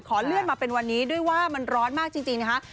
เลื่อนมาเป็นวันนี้ด้วยว่ามันร้อนมากจริงนะคะ